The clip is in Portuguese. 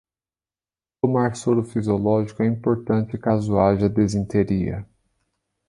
Tomar soro fisiológico é importante caso haja desinteria